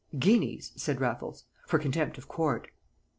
"Guineas," said Raffles, "for contempt of court."